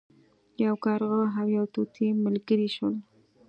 یو کارغه او یو طوطي ملګري شول.